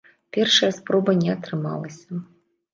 Першая спроба не атрымалася.